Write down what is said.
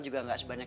terima kasih sayang